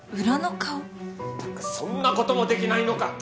ったくそんなこともできないのか！